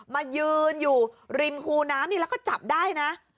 มายืนอยู่ริมคูน้ำนี่แล้วก็จับได้นะ